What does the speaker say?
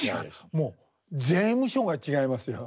もう税務署が違いますよ。